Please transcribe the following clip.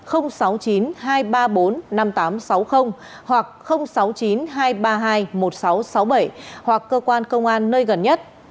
hoặc sáu mươi chín hai trăm ba mươi hai một nghìn sáu trăm sáu mươi bảy hoặc cơ quan công an nơi gần nhất